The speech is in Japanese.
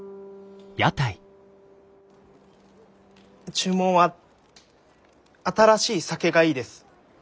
注文は新しい酒がいいです。